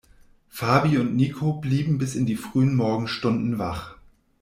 Fabi und Niko blieben bis in die frühen Morgenstunden wach.